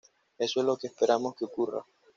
Eso es lo que esperamos que ocurra.